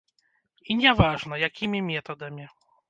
І не важна, якімі метадамі.